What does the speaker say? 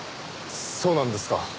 そうなんですか。